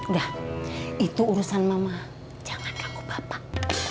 udah itu urusan mama jangan kagum bapak